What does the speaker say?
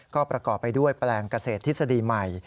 ก็ประกอบไปด้วยแปลงเกษตรทฤษฎีใหม่